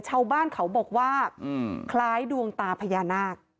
ชาวบ้านเขาบอกว่าคล้ายดวงตาพญานาค